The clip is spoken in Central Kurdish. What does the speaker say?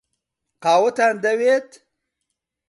قاوەتان دەوێت؟